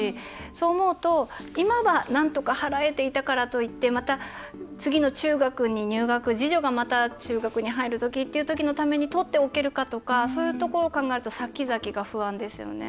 そう思うと、今はなんとか払えていたからといってまた次の中学に入学次女が、また中学に入るときっていうときのためにとっておけるかとかそういうところを考えるとさきざきが不安ですよね。